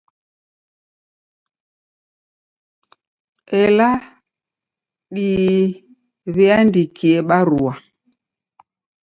Ela diwiandikie barua